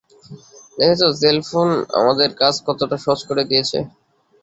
দেখেছো সেলফোন আমাদের কাজ কতটা সহজ করে দিয়েছে?